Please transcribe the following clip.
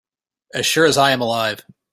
As sure as I am alive